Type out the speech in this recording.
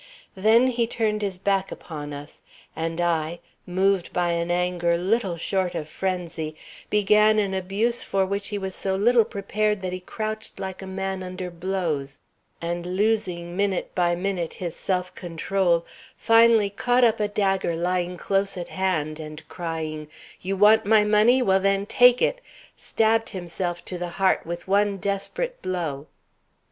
Then he turned his back upon us, and I, moved by an anger little short of frenzy, began an abuse for which he was so little prepared that he crouched like a man under blows, and, losing minute by minute his self control, finally caught up a dagger lying close at hand, and crying, 'You want my money? Well, then, take it!' stabbed himself to the heart with one desperate blow.